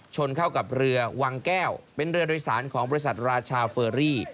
ชนเข้ากับเรือวังแก้วเป็นเรือโดยสารของบริษัทราชาเฟอรี่